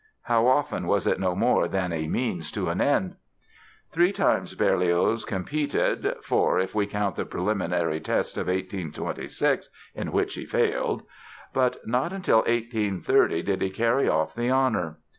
How often was it no more than a means to an end! Three times Berlioz competed (four if we count the preliminary test of 1826, in which he failed), but not till 1830 did he carry off the honor.